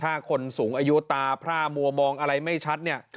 ถ้าคนสูงอายุตาพร่ามัวมองอะไรไม่ชัดเนี่ย